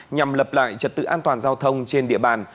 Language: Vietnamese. nhằm lập lại trật tự an toàn giao thông trên địa bàn